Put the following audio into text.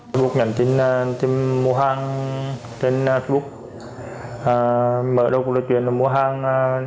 facebook nhắn tin mua hàng trên facebook mở đồ của lời chuyện là mua hàng